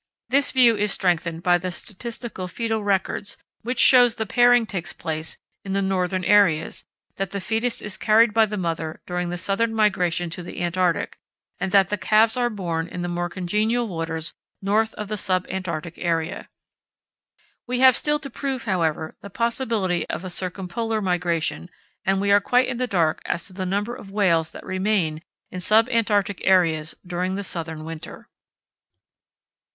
This view is strengthened by the statistical fœtal records, which show the pairing takes place in the northern areas, that the fœtus is carried by the mother during the southern migration to the Antarctic, and that the calves are born in the more congenial waters north of the sub Antarctic area. We have still to prove, however, the possibility of a circumpolar migration, and we are quite in the dark as to the number of whales that remain in sub Antarctic areas during the Southern winter.